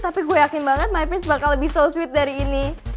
tapi gue yakin banget my prince bakal lebih so sweet dari ini